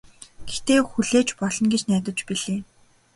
Гэхдээ хүлээж болно гэж байна билээ.